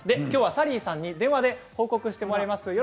きょうはサリーさんに電話で報告してもらいます。